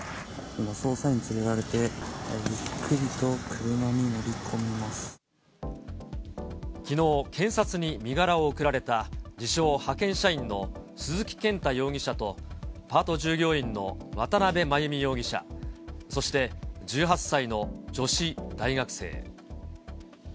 今、捜査員に連れられて、ゆっくきのう、検察に身柄を送られた、自称派遣社員の鈴木健太容疑者と、パート従業員の渡邉真由美容疑者、そして１８歳の女子大学生。